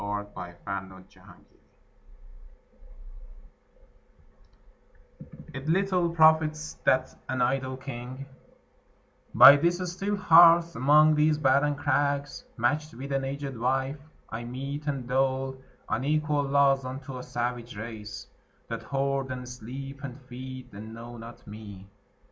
Alfred, Lord Tennyson Ulysses IT LITTLE profits that an idle king, By this still hearth, among these barren crags, Match'd with an aged wife, I mete and dole Unequal laws unto a savage race, That hoard, and sleep, and feed, and know not me.